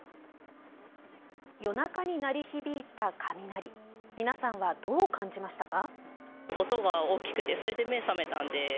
夜中に鳴り響いた雷、皆さんはどう感じましたか。